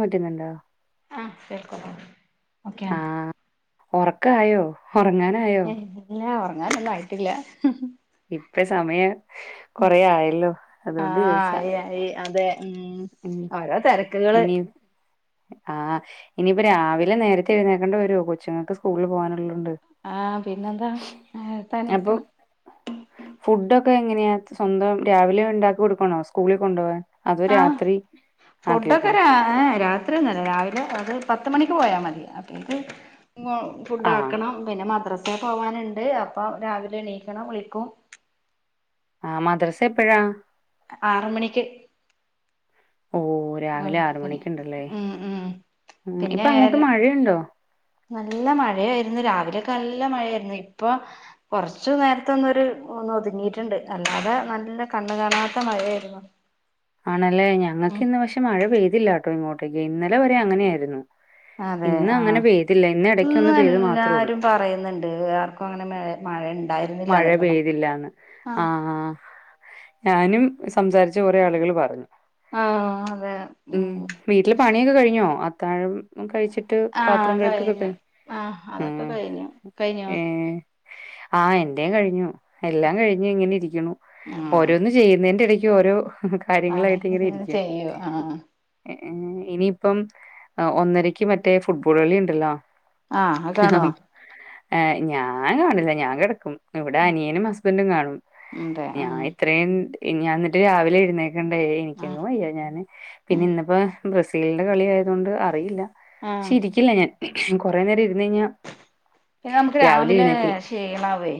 മറ്റുന്നുണ്ടോ? ആഹ് [unintelligible] okay ആണ്. ഒറക്കായോ ഒറങ്ങാന ഏ ല്ലാ ഉറങ്ങാനൊന്നും ആയിട്ടില്ല. ഇപ്പേ സമയം കൊറെ ആയല്ലോ അതുകൊണ്ട് ചോയ്ച്ചാ. യായീ അതെ. ഉം. ഉം ഓരോ തിരക്കുകള് ഇനീ ആഹ് ഇനിയിപ്പ രാവിലെ നേരത്തെ എഴുന്നേക്കേണ്ട വരൂ കൊച്ചുങ്ങൾക്ക് സ്കൂൾള് പൊവ്വാനുള്ളൊണ്ട്. ആഹ് പിന്നെന്താ എ താനിരിക്ക്ണ്? ഫുഡ്‌ ഒക്കെ എങ്ങനെയാ സ്വന്തം രാവിലെ ഉണ്ടാക്കി കൊടുക്കണോ സ്കൂളിൽ കൊണ്ടോവാൻ അതൊ രാ ആഹ് ഫുഡൊക്കെ രാ ഏഹ് രാ ത്രിന്നുല്ലാ രാവിലെ അത് പത്ത് മണിക്ക് പോയാ മതി അപ്പേക്കും ഫുഡ് ആഹ് ആക്കണം. പിന്നെ മദ്രസെ പോവ്വാന്ണ്ട് അപ്പം രാവിലെ എണീക്കണം വിളിക്കും ആഹ് മദ്രസ എപ്പഴാ? ആറ് മണിക്ക്. ഓഹ് രാവിലെ ആറ് പിന്നെ മണിക്ക്ണ്ടല്ലേ ഉം ഉം ഉം ഇപ്പൊ അങ്ങോട്ട് പിന്നെ മഴയുണ്ടോ? നല്ല മഴയായിരുന്നു രാവിലെയൊക്കെ നല്ല മഴയായിരുന്നു ഇപ്പൊ കൊർച്ചു നേര്ത്തെന്നരു ഒന്ന് ഒതുങ്ങീറ്റ്ണ്ട് അല്ലാതെ നല്ല കണ്ണ് കാണാത്ത മഴയായിരുന്നു. [unintelligible] ആണല്ലേ ഞങ്ങക്ക് ഉം ഇന്ന് പക്ഷെ മഴ പെയ്തില്ലാട്ടോ ഇങ്ങോട്ടേക്ക് ഇന്നലെ വരെ അങ്ങനെ യായിരുന്നു. അതെ ഇന്ന് ആഹ് അങ്ങനെ പെയ്തില്ല ഇന്ന് എടക്ക് ഒന്ന് പെയ്ത് മാത്ര ഒള്ളു. പറയുന്ന്ണ്ട് ആർക്കും അങ്ങനെ മേ മഴ ണ്ടായിര്ന്നു. മഴ പെയ്തില്ലാന്ന് ആഹ്. ഞാനും സംസാരിച്ച കൊറേ ആളുകള് പറഞ്ഞു. ആഹ് അതെ. ഉം വീട്ടില് പണിയൊക്കെ കഴിഞ്ഞോ? അത്താഴം പ്പം കഴിച്ചിട്ട് പാത്രം ആഹ് കഴുക്ക് കഴിഞ്ഞു [unintelligible] ആഹ് ആ അതൊക്കെ കഴിഞ്ഞു കഴിഞ്ഞോ ഏഹ്. ആഹ് എന്റെ കഴിഞ്ഞു. എല്ലാം കഴിഞ്ഞ് ഇങ്ങനെ ഇരിക്ക്ണു ഉം ഓരോന്ന് ചെയ്യുന്നേന്റെ ഇടയ്ക്ക് ഓരോ ആണെ കാര്യങ്ങളായിട്ട് [unintelligible] ഇങ്ങനെ ങ്ങനെ ഇരിക്കും ചെയ്യൂ ആ ആ ആഹ്. ഇനിയിപ്പം ഒന്നരക്ക് മറ്റേ ഫുട്ബോൾ കളി ണ്ടല്ലോ. ആഹ് അത് കാണുവോ ഏഹ് ഞാൻ കാണില്ല ഞാൻ കിടക്കും ഇവിടെ അനിയനും ഹസ്ബന്റും കാണും അതെ ഞാൻ ആഹ് ഇത്രയും ഞാൻ എന്നിട്ട് രാവിലെ എഴുന്നേ ക്കണ്ടേ ആഹ് എനിക്കങ്ങും വയ്യ ഞാന് പിന്നെ ഇന്നിപ്പോ ബ്രസീലിന്റെ കളി ആയതുകൊണ്ട് അറിയില്ല പക്ഷേ ആഹ് ഇരിക്കില്ല ഞാൻ കുറെ നേരം ഇരുന്ന് കഴിഞ്ഞാ പിന്നെ നമ്മുക്ക് രാവിലെ ശീണമേ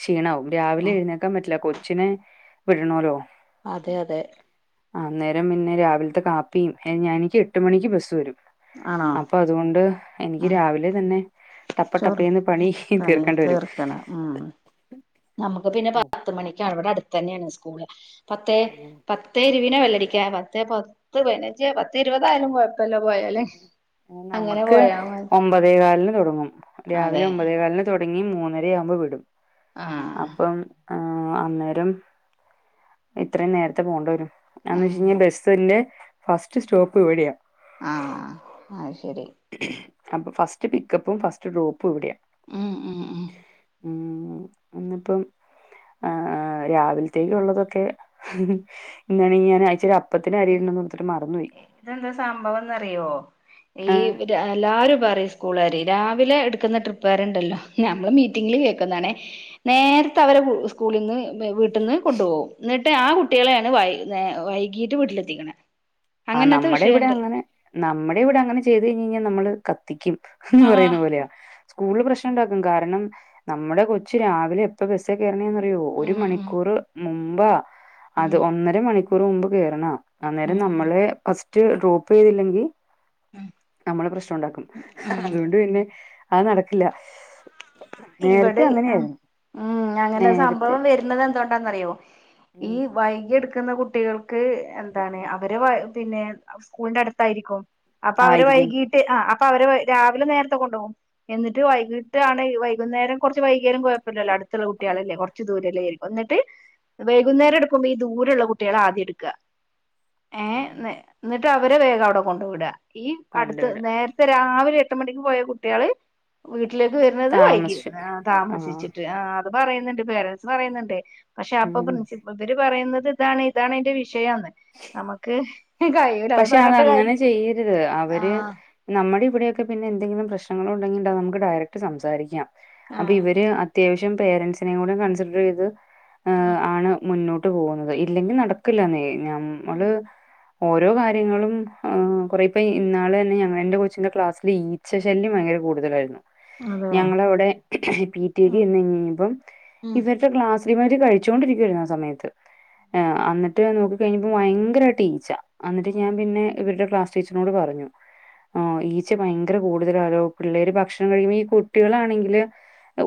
ക്ഷീണാവും രാവിലെ എഴുന്നേക്കാൻ പറ്റില്ല കൊച്ചിനെ വിടണല്ലോ അതെ അതെ അന്നേരം പിന്നെ രാവിലത്തെ കാപ്പിയും ഞാൻ എനിക്ക് എട്ട്മണിക്ക് ബസ്സ് വരും ആണോ അപ്പൊ അതുകൊണ്ട് എനിക്ക്‌ ആഹ് രാവിലെതന്നെ ടപ്പ ചോറ് ടപ്പേന്ന് പണി പണിതീർക്കേണ്ടി വരും ഉം നമ്മുക്ക് പിന്നെ ഉം പത്ത്മണിക്കാണ് ഇവിടെ അടുത്ത് തന്നെയാണ് സ്കൂള് പത്തേ ഉം പ പത്തേഇരുവിന ബെല്ലടിക്കാ പത്തേ പത്ത് പൈതിനഞ്ച് പത്ത് ഇരുപതായാലും കൊഴപ്പ ഇല്ല പോയല് ഉം നമ്മുക്ക് ഒമ്പതേകാലിന് തുടങ്ങും അതെ രാവിലെഒമ്പതേകാലിന് തുടങ്ങി മൂന്നരയാവുമ്പോ വിടും ആഹ് അപ്പം ആഹ് അന്നേരം എത്രയുംനേരത്തെപോണ്ട വരും എന്ന് ഉം വെച്ചഴിഞ്ഞബസിന്റെഫസ്റ്റ് സ്റ്റോപ്പ്ഇവിടെയാ ആഹ് അത്ശരി അപ്പൊഫസ്റ്റ്പിക്കപ്പും ഫസ്റ്റ്ഡ്രോപ്പും ഇവിടെയാ ഉം ഉം ഉം ഉം ഇന്നിപ്പം ആഹ് ആഹ്‌ രാവിലത്തേക്കുള്ളതൊക്കെ [unintelligible] അപ്പത്തിന് ഈ അരിയിടണന്ന് ഓർത്തിട്ട് മറന്നു പോയി ഇതെന്താ സംഭവം എന്നറിയോ ഈ രാ എല്ലാരുംപറയും സ്കൂളാര് രാവിലെ എടുക്കുന്ന ട്രിപ്പ് കാരുണ്ടല്ലോ നമ്മള് മീറ്റിങ്ങില് കേക്കുന്നാണേ നേരത്തെ അവരെ സ്കൂളിന്ന് വീട്ടിന്ന്കൊണ്ടുപോവും എന്നിട്ട് ആ കുട്ടികളെയാണ് വൈ ന്നെ വൈകീട്ട് വീട്ടിലെത്തിക്കണെ ആഹ് നമ്മടെ ഇവിടെ അങ്ങനെ നമ്മടെ ഇവിടെ അങ്ങനെചെയ്ത് കഴിഞ്ഞിരുന്ന നമ്മള് കത്തിക്കും എന്ന് ആഹ് പറയുന്നപോലയാ സ്കൂൾളിൽ പ്രശ്നം ഉണ്ടാക്കുംകാരണം നമ്മടെകൊച്ച് രാവിലെഎപ്പൊ ബസിൽകേറണെ അറിയ്യൊ ഉം ഉം ഒരുമണിക്കൂറ് മുമ്പാ ഉം അത്ഒന്നര മണിക്കൂറ്മുമ്പ്കേറണയാ അന്നരം ഉം നമ്മളെ ഫസ്റ്റ് ഡ്രോപ്പ് ചെയ്തില്ലെങ്കിൽ ഉം നമ്മള് പ്രശ്നം ഉണ്ടാക്കും ഉം അതുകൊണ്ട് പിന്നെ അത് നടക്കില്ല നേരത്തെ ഇവിടെ അങ്ങനെയായിരുന്ന് ഉം അങ്ങനെസംഭവം വരുന്നത് എന്തോണ്ടാന്നറിയോ ഈ ഉം വൈകി എട്ക്കുന്ന കു കുട്ടികൾക്ക് എന്താണ് അവര് വെെ പിന്നെ സ്കൂളിന്റെ അടുത്തായിരിക്കും അപ്പൊ അവര് ആയിരിക്കും വൈകി ട്ട്ആഹ് അപ്പൊ അവര് വെയ് രാവിലെനേരത്തെ കൊണ്ട് പോവും എന്നിട്ട് വൈകിട്ടാണ് വൈ വൈകുന്നേരം കുറച്ച് വൈകിയാലും കുഴപ്പമില്ലല്ലോ അടുത്തുള്ളകുട്ടിയാളല്ലേ കുറച്ച് [unintelligible] എന്നിട്ട് വൈകുന്നേരം എടുക്കുമ്പോ ഈ ദൂരെയുള്ള കുട്ടികളെ ആദ്യം എടുക്ക ഏഹ് ന്നെ എന്നിട്ട് അവരെ വേഗം അവിടെ കൊണ്ടുവിട ഈ അടുത്ത് കൊണ്ടുവിടും നേര രാവിലെ എട്ട്മണിക്ക്പോയകുട്ടികള് വീട്ടിലേക്ക് വരുന്നത് വൈകി താമസിച്ചു ആ താമസിച്ചിട്ട് ആഹ് അത് പറയുന്നുണ്ട് പേരെന്റ്സ് പറയുന്നുണ്ട് പക്ഷേ അപ്പൊ ഉം പ്രിൻസി ഇവര് പറയുന്നത് ഇതാണ് ഇതാണിതിന്റെ വിഷയം എന്ന് നമ്മുക്ക് കഴി പക്ഷേ അത് അങ്ങനെ ചെയ്യരുത് അവര് ആഹ് നമ്മടെ ഇവിടെയൊക്കെ പിന്നെ എന്തെങ്കിലും പ്രശ്നങ്ങളുണ്ടെങ്കി നമ്മുക്ക് ഡയറക്ട് സംസാരിക്കാം ആഹ് അപ്പഇവര് അത്യാവശ്യം പേരൻസിനെയുംകൂടെ കൺസെഡ്രയ്ത് മുന്നോട്ട്പോവുന്നത് ഇല്ലെങ്കിനടക്കില്ലന്നേയ് ഞമ്മള് രോകാര്യങ്ങളും കൊറെപ്പിം ഇന്നാള്ന്നെ ഞങ്ങളെൻ്റെ കൊച്ചിൻ്റെ ക്ലാസ്സില്ഈച്ചശല്യംഭയങ്കര കൂടുതലായിരുന്നു അതെ ഞങ്ങളവടെ പിറ്റിടി ഉം എന്ന് കഴിഞ് ഞ്ഞുവന്നപ്പം ഉം ഇവരുടെ ക്ലാസ്സില് ഇവര് കഴിച്ചോണ്ടിരിക്കുവായിരുന്നു ആ സമയത്ത് ഏ അന്ന്ട്ട് നോക്കികഴിഞ്ഞപ്പോ ഭയങ്കരയിട്ട് ഈച്ചാ അന്ന്ട്ട് ഉം ഞാൻപിന്നെ ഇവര്ടെക്ലാസ് ചിച്ച്നോട്പറഞ്ഞു ആ ഈച്ചഭയങ്കര കൂടുതലാരോ പിള്ളേര്ഭക്ഷണംകഴിയുമ്പോ ഈ കുട്ടികളാണെങ്കില്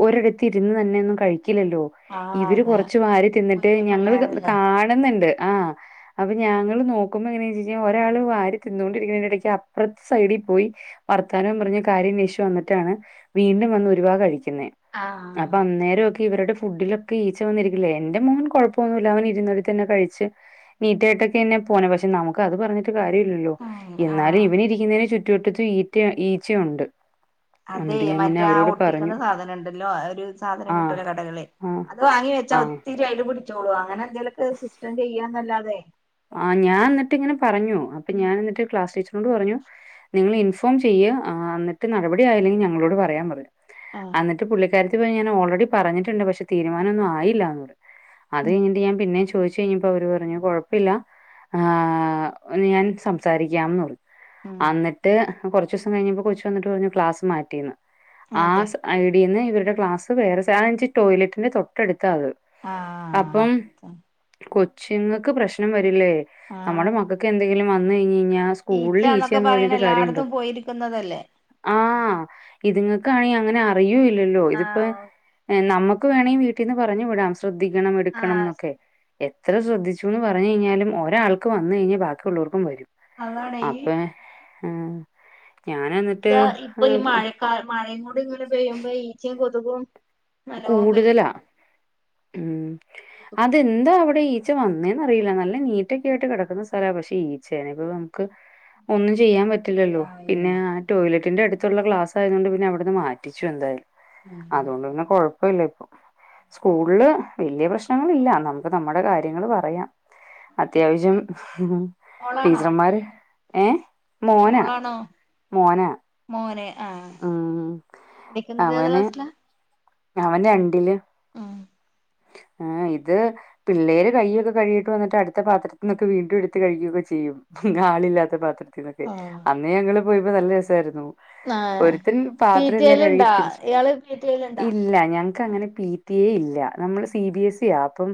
ഒരിടത്ത് ഇരുന്ന്തന്നെന്നും കഴിക്കില്ലല്ലോ ആ അതെ ഇവര്കൊറച്ച് വാരിതിന്നിട്ട് കുഞ്ഞു ഞങ്ങള് പിള്ളേരല്ലേ കാണുന്നുണ്ട് ആഹ്‌ അപ്പൊ ഞങ്ങള് നോ [unintelligible] എങ്ങനാ ഒരാൾ വാരി തിന്നോണ്ടിരിക്കുന്നിടത്ത് അപ്പറത്തെ സൈഡി പോയി വർത്താനം പറഞ്ഞ കാര്യംന്വേഷിച്ചു വന്നിട്ടാണ് വീണ്ടും വന്ന് ഒരുവാ കഴിക്കുന്നേ ആ അപ്പൊ അന്നേരം ഒക്കെ ഇവരുടെ ഫുഡിലൊക്കെ ഈച്ച വന്നിരിക്കില്ലേ എന്റെ മോൻ കുഴപ്പൊന്നുല്ല അവ ഇരുന്നിടത്തന്നെ കഴിച്ച് നീറ്റായിട്ടൊക്കെ എന്നെ പോണേ പക്ഷെ നമുക്ക് അത് പറഞ്ഞിട്ട് കാര്യല്ലല്ലോ ആ എന്നാലും ഇവനിരി - ന്നതിന് ചുറ്റുവട്ടത്തും ഈറ്റ ഈച്ചയുണ്ട് അതെ എന്നിട്ട് ഞാൻ പിന്നെ മറ്റേ ആ അവരോട് ഒട്ടിക്കണ പറഞ്ഞു. സാധനുണ്ടല്ലോ ഒരു സാധനം ആഹ് കിട്ടുവല്ലോ കടകള് ആഹ് അത് വാങ്ങി വെച്ചാ ആഹ് ഒത്തിരി അയില് പിടിച്ചോളൂ അങ്ങനെ എന്തെലൊക്കെ സിസ്റ്റം ചെയ്യാന്നല്ലാതെ ആ ഞാൻ എന്നിട്ട് ഇങ്ങനെ പറഞ്ഞു അപ്പൊ ഉം ഞാൻ എന്നിട്ട് ക്ലാസ് ടീച്ചറിനോട് പറഞ്ഞു നിങ്ങൾ ഇൻഫോം ചെയ്യ് ആഹ് എന്നിട്ട് നടപടി ആയില്ലെങ്കിൽ ഞങ്ങളോട് പറയാൻ പറഞ് ആഹ് എന്നി്ട്ട് പുള്ളിക്കാരത്തി പോയി ഞാൻ ഓൾറെഡി പറഞ്ഞിട്ടുണ്ട് പക്ഷേ തീരുമാനൊന്നും ആയില്ല അത് ഉം കഴിഞ്ഞിട്ട് ഞാ പിന്നും ചോയ്ച്ചു കഴിഞ്ഞിപ്പോ അവര് പറഞ്ഞു കൊഴ ല്ല ഞാൻ സംസാരിക്കാംന്ന് പറഞ്ഞ ഉം അന്നിട്ട് അത്‌ കുറച്ചൂസം കഴിഞ്ഞപ്പോ കൊച്ചു വന്നിട്ട് പറഞ്ഞു ക്ലാസ് മാറ്റിന്ന് അതെ ആസ - ഐഡിന്ന് ഇരുടെ ക്ലാസ് വേറെ സാധനച്ച് ടോയ്ലറ്റിന്റെ തൊട്ടടുത്താത് ആഹ് അപ്പം അത് കൊച്ചിങ്ങക്ക് പ്രശ്നം വരില്ലേ നമ്മുടെ ആഹ് മകൾക്ക് എന്തെങ്കിലും വന്ന് കഴിഞ്ഞയിഞാ സ്കൂളിൽ ഈച്ചന്നൊക്കെ ഈച്ചന്ന് പറയണ പറഞ്ഞിട്ട് കാര്യമുണ്ടോ എല്ലായിടത്തും പോയിരിക്കുന്നതല്ലേ ആഹ് ഇതുങ്ങൾക്കാണെങ്കി അങ്ങനെ അറിയോല്ലല്ലോ ഇതിപ്പോ ആഹ് നമുക്ക് വേണമെങ്കിൽ വീട്ടിന്ന് പറഞ്ഞു വിടാം ശ്രദ്ധിക്കണം എടുക്കണം എന്നൊക്കെ ആഹ് എത്ര ശ്രദ്ധിച്ചു പറഞ്ഞ കഴിഞ്ഞാലും ഒരാൾക്ക് വന്ന കഴിഞ്ഞാൽ ബാക്കിയുള്ളവർക്കും വരും അതാണ് ഈ അപ്പൊ ആഹ് ഞൻ എന്നിട്ട് ഈച്ച ഇപ്പൊ ആഹ് ഈ മഴക്കാ മഴയും കൂടി ഇങ്ങനെ പെയ്യുമ്പോ ഈച്ചിം കൊതുകും നല്ലോം കൂടുതലാ പെരുകും ഉം അതെന്താ അവിടെ ഈ ഈച്ച വന്നേന്ന് അറിയില്ല നല്ല നീറ്റൊക്കെ ആയിട്ട് കിടക്കുന്ന സ്ഥലമാപക്ഷെ ഈച്ചേ ഇപ്പ നമുക്ക് ഒന്നും ചെയ്യാൻ പറ്റ പറ്റില്ലല്ലോ പിന്നെ ശരിയാവയല്ലോ ആ ടോയ്ലറ്റിന്റെ അടുത്തുള്ള ഗ്ലാസ് ആയതുകണ്ട് പിന്നെ അവിടുന്ന് മാറ്റിച്ചു എന്തായാലും ഉം അതൊണ്ട്ന്നെ കുഴപ്പമില്ല ഇപ്പൊ സ്കൂളില് വല്യേ പ്രശ്നങ്ങളില്ല നമുക്ക് നമ്മുടെ കാര്യങ്ങള് പറയാം അത്യാവശ്യം ഹ് മോളാണോ ടീച്ചർമാര് ഏഹ് മോനാ മോളാണോ മോനാ മോന് ആ ഉം പഠിക്കുന്നത് ഏത് ക്ലാസ്സിലാ അവന് രണ്ടില് ആഹ് ഏഹ് ഇത് പിള്ളേര് കയ്യൊക്കെ കഴികി യിട്ട് വന്നിട്ട് അടുത്ത പാത്രത്തി ന്നൊക്കെ വീണ്ടും എടുത്ത് കഴിക്കു ക്കെ ചെയ്യും ആളില്ലാത്ത പാത്രത്തിൽന്നൊക്കെ അന്നേ ഞങ്ങള് പോയപ്പോ നല്ല രസായിരുന്നു ആഹ് ഒരുത്തന് പി പാത്ര ടി എ എല്ലാം കഴുകി ലുണ്ടാ തിരിച് ഇയാള് പി ടി എ ലുണ്ടാ ഇല്ല ഞാൻ ഇക്കഅങ്ങനെ പീ ട്ടി യെ ഇല്ല നമ്മള് സി ബി എസ് ഇ ആ അപ്പം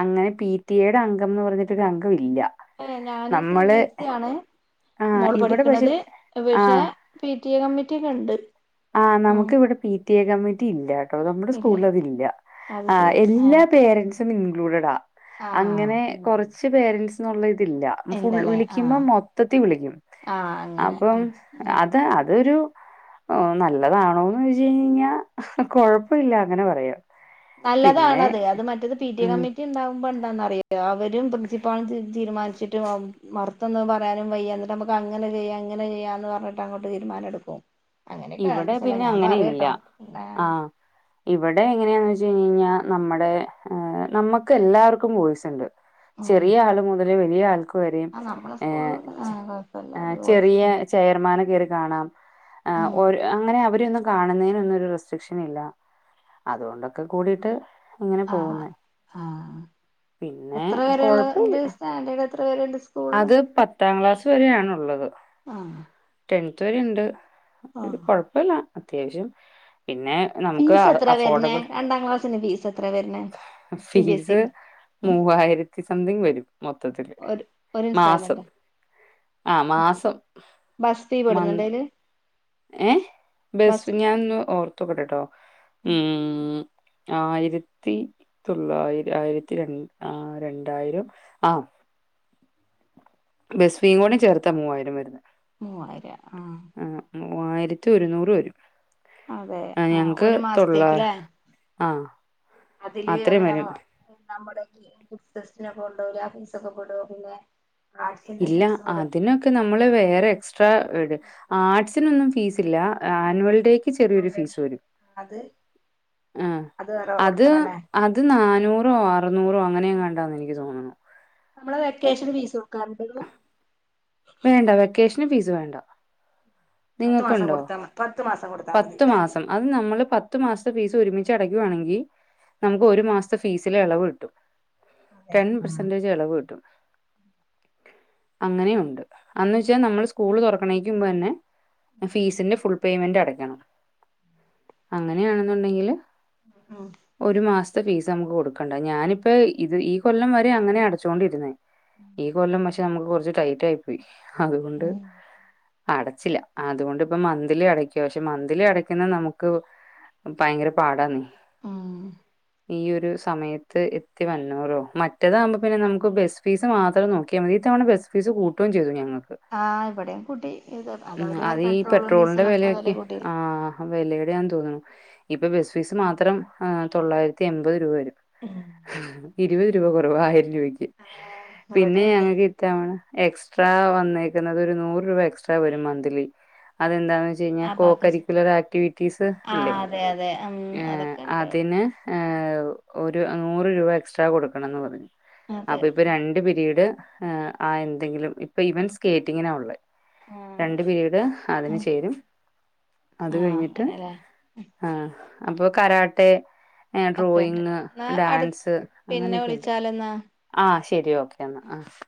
അങ്ങനെ പി ടി എയുടെ അംഗംന്ന് പറഞ്ഞിട്ട് ഒരു അംഗം ഇല്ല ഏ ഞാന് സി ബി നമ്മള് എസ് ഇ ആണ് ആഹ് മോള് ഇവിടെ പക്ഷെ പഠിക്ക്‌ണത് പക്ഷെ ആഹ് പി ടി എ കമ്മിറ്റി ഒക്കെ ഉണ്ട് ആഹ് ഉം നമുക്ക് ഇവിടെ പി ടി എ കമ്മിറ്റി ഇല്ല നമ്മുടെ ഇല്ലേ സ്കൂളിൽ അതില്ല അത് ആ ശരി എല്ലാ ആഹ് പേരന്റ്സും ഇൻക്ലൂട്ഡാ ആഹ് അങ്ങനെ കൊറച്ച് പേരൻറ്സ്ന്നുള്ള ഇതില്ല ഫുൾ ഇല്ലല്ലേ വിളിക്കുമ്പോ ആഹ് മൊത്തത്തി വിളിക്കും ആഹ് അങ്ങനെ അപ്പം ഉം ഉം അത് അതൊരു ഓ നല്ലതാണോന്ന് ചോദിച്ചു കഴിഞ്ഞാ കൊഴപ്പ ഇല്ല അങ്ങനെ പറയാ നല്ലതാണത് അത് മറ്റത് പി ടി ഉം കമ്മിറ്റി ഉണ്ടാകുമ്പോ എന്താന്ന് അറിയോ അവരും പ്രിൻസിപ്പാളും തീരുമാനിച്ചിട്ട് മറ- മറ്റൊന്ന് പറയാനും വയ്യ എന്നിട്ട് നമുക്ക്‌ അങ്ങനെ ചെയ്യാം ഇങ്ങനെ ചെയ്യാ എന്ന് പറഞ്ഞിട്ടങ്ങോട്ട് തീരുമാനമെടുക്കും ഇവിടെ അങ്ങനെയൊക്കാട്ടിച്ചല പിന്നെ ഞാൻ അങ്ങനെ ഇല്ല. പറയട്ടോ. ന്നെ ആഹ് ഇവിടെ എങ്ങനെയാന്ന് വെച്ചഴിഞഴിഞ്ഞാ നമ്മള് നമുക്കല്ലാർക്കും വോയ്സ്ണ്ട്. ഉം ചെറിയ ആള് മുതല് വലിയ ആൾക്ക് വരെയും ആഹ് നമ്മള സ്കൂളും ഏ ഏഹ് കൊഴപ്പല്ല ഒരു ചെറിയ വോയിസ്ണ്ട്. ചെയർമാനെ കേറി കാണാം. ഉം അഒര് അങ്ങനെ അവരൊന്ന് കാണുന്നതിനൊന്നു ഒരു റെസ്ട്രിക്ഷൻ ഇല്ല. അതോണ്ടൊക്കെ കൂടീട്ട് ആഹ് ആഹ് പിന്നെ എത്ര കൊഴപ്പല്ല വരേള്ളണ്ട്? സ്റ്റാൻഡേർഡ് എത്ര വരേണ്ട്? അത് പത്താം ക്ലാസ്സ് വരെയാണുള്ളത്. ആഹ് ടെൻത് വരെണ്ട്. ത് ആഹ് കൊഴപ്പല്ല അത്യാവശ്യം. പിന്നെ നമുക്ക് ഫീസ് എത്ര വരുന്നേ അഅഫോർഡബ്ൾ രണ്ടാം ക്ലാസ്സിന് ഫീസ് എത്ര വരുന്നേ C B S E fees ല് മൂവായിരത്തി സംതിങ് വരും മൊത്തത്തില്. ഒരു ഒരു മാസം ഇൻസ്റ്റാൾ്മെൻ്റോ? ആഹ് മാസം ബസ് ഫീ മൻ പെടുന്നുണ്ടോ അയില് ഏഹ് ബസ് ബെസ് ഞാൻന്ന് ഓർത്തോക്കെട്ടട്ടോ. ഉം ആയിരത്തി തൊള്ളായിര ആയിരത്തി രണ്ട് ആ രണ്ടായിരം ആഹ് ബെസ് ഫീയും കൂടി ചേർത്ത മൂവായിരം വര്ന്ന്. മൂവായിരം ആഹ്. ആഹ് മൂവായിരത്തി ഒരുന്നൂറ് വരും. അതെ ആഹ് ഞങ്ങക്ക് ഒരു തൊള്ള മാസത്തേക്ക്ല്ലേ? ആഹ് അതില് അത്രയും അപ്പിന്നമ വരും ന്നമ്മുടെ ഈ ക്വിസ് ടെസ്റ്റിനൊക്കെ കൊണ്ടോവൂലെ ആഫീസൊക്കെ പെടോ പിന്നെ? ആർട്സിന്റെ ഇല്ല ഫീസ് പെടോ അതിനൊ ക്ക് നമ്മള് വേറെ എക്സ്ട്രാ ഇട്. ആർട്ടിസിനൊന്നും ഫീസില്ല. ആനുവൽ ഡേ ക്ക് ചെറിയൊരു ഫീസ് വരും. അത് ആഹ് അത് വേറെ അത് കൊടുക്കണല്ലേ അത് നാനൂറോ അറുന്നൂറോ അങ്ങനെയെങ്ങാണ്ടാണന്നെനിക്ക് തോന്നുന്നു. നമ്മള് വെക്കേഷന് ഫീസ് കൊടുക്കാറുണ്ടയ്ല്? വേണ്ട വെക്കേഷന് ഫീസ് വേണ്ട. പത്ത് മാസം നിങ്ങക്കുണ്ടോ? കൊടുത്താ പത്ത് മാസം കൊടുത്താ മതി പത്തു ല്ലേ മാസം അത് നമ്മള് പത്തു മാസത്തെ ഫീസ് ഒരുമിച്ച് അടയ്ക്കുവാണെങ്കിൽ നമുക്ക് ഒരു മാസ്ത്തെ ഫീസിലെ എളവ്ട്ടും. അതെ ടെൻ ആഹ് പെർസെന്റേജ് എളവ്ട്ടും. അങ്ങനെയുണ്ട്. അന്ന് വെച്ചാ നമ്മൾ സ്കൂള് തൊറക്കണേക്കുമ്പന്നെ ഫീസിന്റെ ഫുൾ പേയ്മെന്റ് അടക്കണം. അങ്ങനയാണെന്നുണ്ടെങ്കില് ഉം ഒരു മാസ്ത്തെ ഫീസ് നമുക്ക് കൊടുക്കണ്ട. ഞാനിപ്പ ഇത് ഈ കൊല്ലം വരെ അങ്ങനെ അടച്ചോണ്ടിര്ന്നേ. ഈ കൊല്ലം പക്ഷെ നമുക്ക് കൊറച്ച് ടൈറ്റായി പോയി. അതുകൊണ്ട് ഉം അടച്ചില്ല. ആതുകൊണ്ടിപ്പ മന്ത്ലി അടക്കും. ത്യാവ്ശ്യം മന്ത്ലി അടക്കുന്നത് നമുക്ക് ഭയങ്കര പാടാന്നേ. ഉം ഈയൊരു സമയത്ത് എത്തി വന്നൂറോ മറ്റേതാവുമ്പോ പിന്നെ നമുക്ക് ബസ് ഫീസ് മാത്രം നോക്കിയാ മതി. ഇത്തവണ ബസ്സ് ഫീസ് കൂട്ടോം ചെയ്തു ഞങ്ങക്ക്. ആഹ് ഇവിടെം കൂട്ടി. ഇത് അതവര് വ പെട്രോളും, ഡീസലൊക്കെ വെല കൂട്ടി ആഹ് വെലയുടെ ആൻ തോന്നുണു. ഇപ്പൊ ബസ് ഫീസ് മാത്രം തൊള്ളായിരത്തി എൻപത് രൂപ വരും. ഉം ഇരുപത് രൂപ കൊറവാ ആയിരം രൂപയ്ക്ക്. ആഹ് പിന്നെ ഇവിടെയുണ്ട് ഞങ്ങക്ക് ത്തവണ എക്സ്ട്രാ വന്നേക്കുന്നത് ഒരു നൂറ് രൂപ എക്സ്ട്രാ വരും മന്ത്ലി. അതെന്താന്ന് വെച്ച ആബാക്കസ് കോക്കരിക്കുലർ ആക്ടിവിറ്റീസ് ഇല്ലേ? ആഹ് അതെ അതെ ഉം ഏഹ് അതൊക്കെ ഉണ്ട് അവിടെ അതിന് ഏഹ് ഒരു നൂറ് രൂപ എക്സ്ട്രാ കൊടുക്കണന്ന് പറഞ്ഞു. അതെ അപ്പ ഇപ്പൊ രണ്ട് പിരീഡ് ആ എന്തെങ്കിലും ഇപ്പൊ ഇവൻ സ്കേറ്റിങ്ങിനാ ഒള്ളേ. ആഹ് രണ്ട് ശരി പിരീഡ് അതിനു ചേരും. അത് ആഹ് കഴിഞ്ഞിട്ട് അങ്ങനെല്ലേ ആഹ് അപ്പൊ കരാട്ടെ ഏഹ് ഒക്കെ ഡ്രോയിങ്, ഉണ്ടല്ലേ ഡാൻസ് അങ്ങനെയൊക്കെയുണ്ട് ലെന്നാ ആഹ് ശരി ഓക്കെ ന്നാ ആഹ്